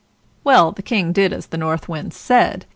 ] Well, the King did as the North Wind said.